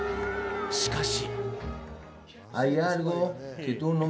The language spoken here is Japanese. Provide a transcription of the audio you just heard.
しかし。